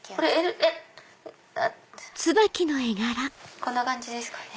えっ⁉こんな感じですかね？